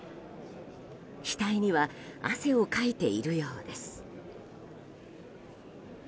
額には汗をかいているようです。